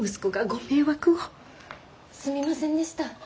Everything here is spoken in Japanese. すみませんでした。